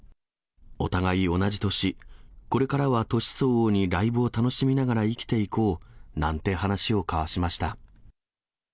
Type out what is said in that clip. お互い同じ年、これからは年相応にライブを楽しみながら生きていこうなんて話を交わしました。